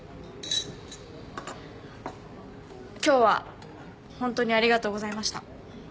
今日はホントにありがとうございました。